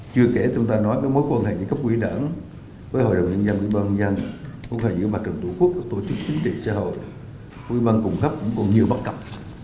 chưa kể chúng ta nói về mối quan hệ giữa các quỹ đảng với hội đồng nhân dân quỹ ban nhân dân quốc hội giữa mặt trường tổ quốc các tổ chức chính trị xã hội quỹ ban cùng khắp cũng còn nhiều bất cập